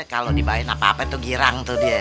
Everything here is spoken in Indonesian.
kalau dibahain apa apa tuh girang tuh dia